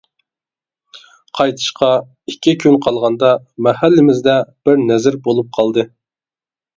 قايتىشقا ئىككى كۈن قالغاندا مەھەللىمىزدە بىر نەزىر بولۇپ قالدى.